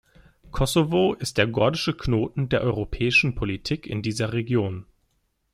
Kosovo ist der Gordische Knoten der europäischen Politik in dieser Region.